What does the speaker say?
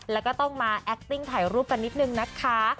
แล้วก็ต้องมาแอคติ้งถ่ายรูปกันนิดนึงนะคะ